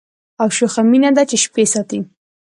او شوخه مینه ده چي شپې ساتي